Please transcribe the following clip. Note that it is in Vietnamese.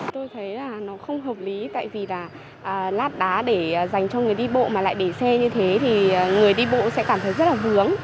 tôi thấy là nó không hợp lý tại vì là lát đá để dành cho người đi bộ mà lại để xe như thế thì người đi bộ sẽ cảm thấy rất là hướng